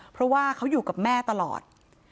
เพราะว่าเขาอยู่กับแม่ตลอด